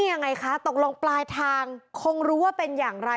ยังไงคะตกลงปลายทางคงรู้ว่าเป็นอย่างไร